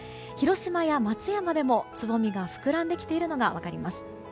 広島や松山でもつぼみが膨らんできているのが分かります。